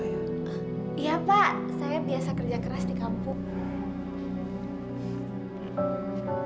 iya pak saya biasa kerja keras di kampung